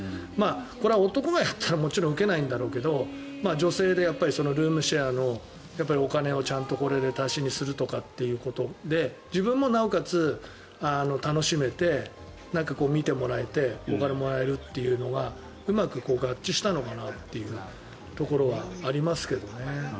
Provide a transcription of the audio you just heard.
これは男がやったらもちろん受けないんだけど女性でルームシェアのお金をこれで足しにするということで自分もなおかつ楽しめて見てもらえてお金をもらえるというのがうまく合致したのかなというところはありますけどね。